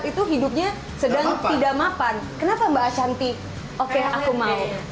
sempet ada dimana mas anang tinggal di ruko dekat sama mbak ashanti pertanyaan aku cewek cewek